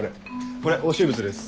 これ押収物です。